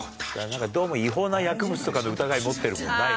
どうも違法な薬物とかの疑い持ってるもんな今。